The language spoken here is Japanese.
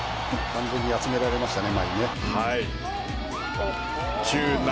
完全に前に集められましたね。